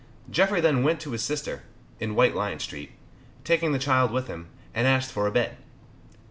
Jeffrey then went to his sister, in White Lion street, taking the child with him, and asked for a bed.